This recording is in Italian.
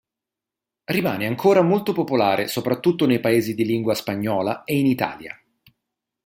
Rimane ancora molto popolare soprattutto nei paesi di lingua spagnola e in Italia.